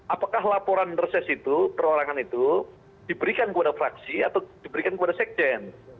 apakah laporan reses itu perorangan itu diberikan kepada fraksi atau diberikan kepada sekjen